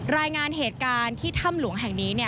รายงานเหตุการณ์ที่ถ้ำหลวงแห่งนี้